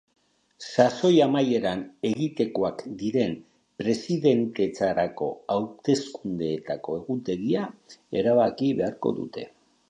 Sasoi amaieran egitekoak diren presidentetzarako hautsekundeetako egutegia erabaki beharko dute.